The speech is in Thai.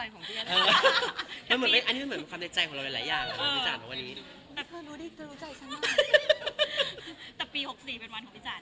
อีกแล้ว